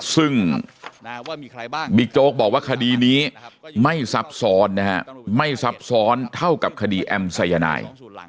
ซึ่งบิ๊กโจ๊กบอกว่าคดีนี้ไม่ซับซ้อนนะฮะไม่ซับซ้อนเท่ากับคดีแอมสายนาย